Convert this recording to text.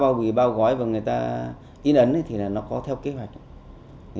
bao bì bao gói và người ta in ấn thì nó có theo kế hoạch